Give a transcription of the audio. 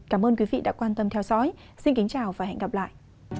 cảm ơn quý vị đã quan tâm theo dõi xin kính chào và hẹn gặp lại